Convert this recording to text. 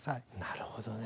なるほどね。